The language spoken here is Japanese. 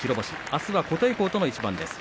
あすは琴恵光との一番です。